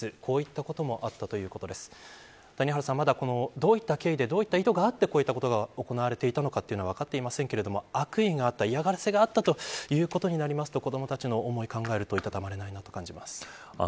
どういった経緯でどういった意図があってこういったことが行われていたか分かりませんが悪意があった、嫌がらせがあったということになると子どもたちの思いを考えるといたたまれませんね。